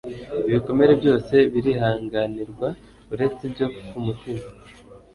ibikomere byose birihanganirwa, uretse ibyo ku mutima